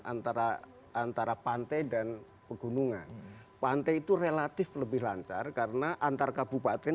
antara antara pantai dan pegunungan pantai itu relatif lebih lancar karena antar kabupaten